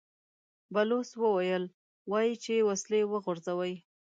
بلوڅ وويل: وايي چې وسلې وغورځوئ!